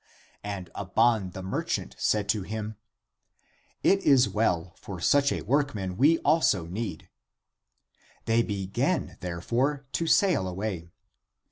And Abban the merchant said to him, " (it is well,) for such a workman we also need." They began there fore, to sail way.